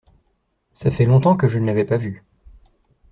Ça fait longtemps que je ne l’avais pas vu.